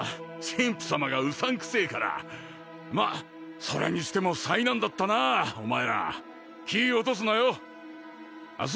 神父様がうさんくせえからまっそれにしても災難だったなお前ら気落とすなよあっ